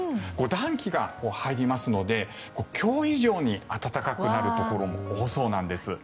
暖気が入りますので今日以上に暖かくなるところも多そうなんです。